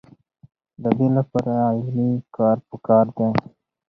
د دې لپاره علمي کار پکار دی.